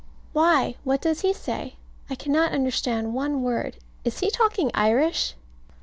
Why, what does he say? I cannot understand one word. Is he talking Irish?